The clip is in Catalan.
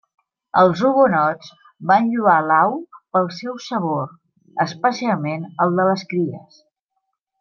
Els hugonots van lloar l'au pel seu sabor, especialment el de les cries.